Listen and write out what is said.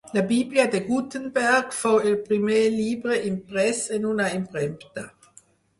La 'Bíblia de Gutenberg' fou el primer llibre imprès en una impremta